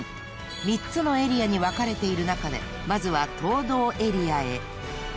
［３つのエリアに分かれている中でまずは東塔エリアへ］